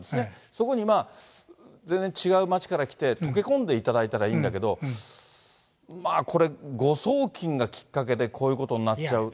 そこに全然違う町から来て、溶け込んでいただいたらいいんだけど、まあこれ、誤送金がきっかけでこういうことになっちゃう。